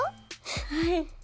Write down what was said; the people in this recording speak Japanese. ・はい。